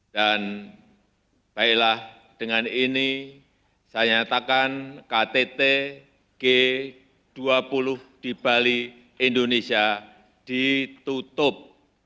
dan baiklah dengan ini saya nyatakan ktt g dua puluh di bali indonesia ditutup